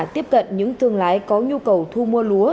tiếp cận những thương lái có nhu cầu thu mua lúa